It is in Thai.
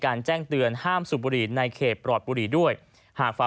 เกิน๓๐๐๐บาท